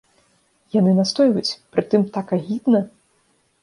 Яны настойваюць, прытым так агідна!